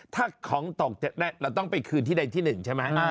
ถ้าของตกเราต้องไปคืนที่ใดที่หนึ่งใช่ไหม